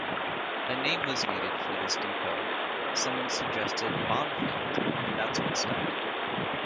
A name was needed for this depot, someone suggested "Bonfield", and that's what stuck.